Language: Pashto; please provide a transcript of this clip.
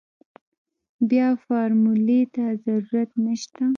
بيا فارمولې ته ضرورت نشته.